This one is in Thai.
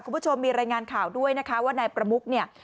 คุณผู้ชมมีรายงานข่าวด้วยนะคะว่านายประมุกเนี่ย